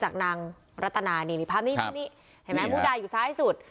จากนางรัฐนายันนิพักนี่เห็นมิพุทธาอยู่ซ้ายสุด